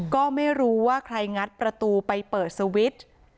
ก็ไม่รู้ว่าใครงัดประตูไปเปิดสวิตช์